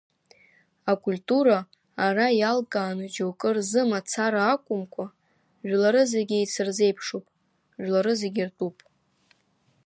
Акультура ара, иалкааны џьоукы рзы мацара акәымкәа, жәлары зегьы еицырзеиԥшуп, жәлары зегьы иртәуп.